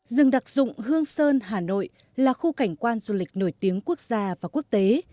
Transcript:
rừng đặc dụng hương sơn hà nội là khu cảnh quan du lịch nổi tiếng quốc gia và quốc tế